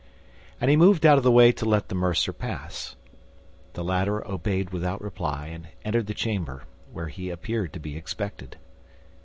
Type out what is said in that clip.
And he moved out of the way to let the mercer pass. The latter obeyed without reply, and entered the chamber, where he appeared to be expected.